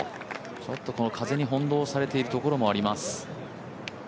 ちょっとこの風に翻弄されているところもあります。